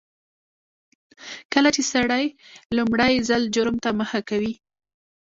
کله چې سړی لومړي ځل جرم ته مخه کوي